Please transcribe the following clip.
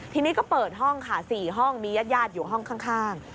ทีนี้ก็เปิดห้องค่ะ๔ห้องมีญาติอยู่ห้องข้าง